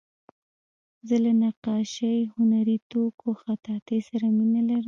زه له نقاشۍ، هنري توکیو، خطاطۍ سره مینه لرم.